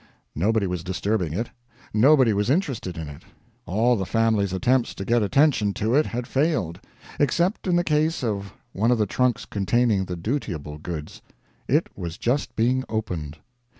Nobody was disturbing it; nobody was interested in it; all the family's attempts to get attention to it had failed except in the case of one of the trunks containing the dutiable goods. It was just being opened.